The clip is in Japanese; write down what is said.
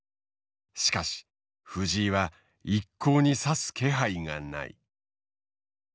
しかし藤井は一向に指す気配がない。